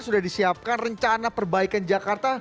sudah disiapkan rencana perbaikan jakarta